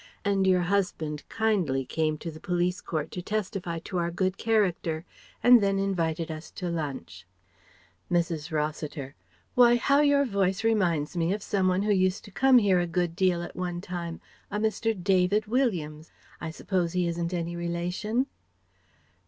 And your husband kindly came to the police court to testify to our good character, and then invited us to lunch." Mrs. Rossiter: "Why how your voice reminds me of some one who used to come here a good deal at one time a Mr. David Williams. I suppose he isn't any relation?"